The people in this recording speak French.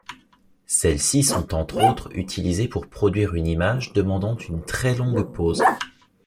Celles-ci sont entre autres utilisées pour produire une image demandant une très longue pose.